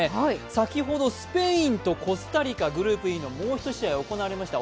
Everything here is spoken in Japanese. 先ほどスペインとコスタリカグループＥのもう１試合行われました。